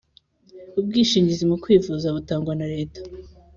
Ubwishingizi mukwivuza butangwa na leta